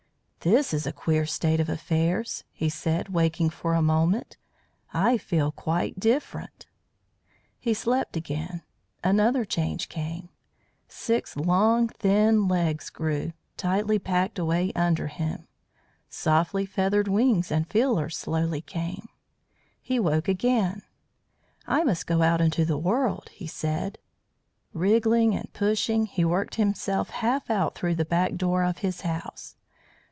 "This is a queer state of affairs," he said, waking for a moment. "I feel quite different." He slept again. Another change came. Six long, thin legs grew, tightly packed away under him; softly feathered wings and feelers slowly came. He woke again. "I must go out into the world," he said. Wriggling and pushing, he worked himself half out through the back door of his house.